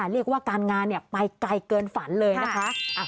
เรียกว่าการงานไปไกลเกินฝันเลยนะคะ